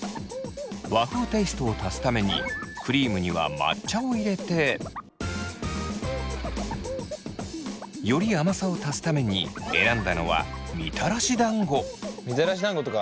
和風テイストを足すためにクリームには抹茶を入れてより甘さを足すために選んだのはみたらし団子とか。